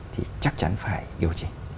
thì chắc chắn phải điều chỉnh